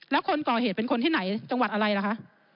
แล้วคนก่อเหตุเป็นคนที่ไหนจังหวัดอะไรล่ะคะ